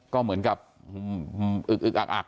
ก็เหมือนกับอึกอึกอักอัก